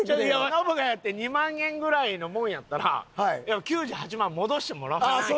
ノブがやって２万円ぐらいのもんやったら９８万戻してもらわないと。